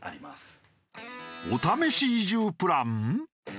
お試し移住プラン？